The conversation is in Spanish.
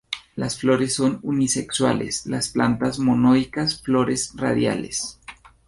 Las flores son unisexuales, las plantas monoicas, flores radiales.